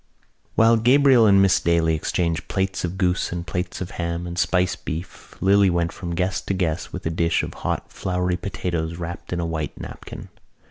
While Gabriel and Miss Daly exchanged plates of goose and plates of ham and spiced beef Lily went from guest to guest with a dish of hot floury potatoes wrapped in a white napkin.